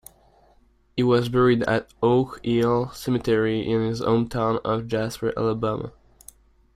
He was buried at Oak Hill Cemetery in his hometown of Jasper, Alabama.